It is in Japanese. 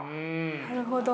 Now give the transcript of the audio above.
なるほど。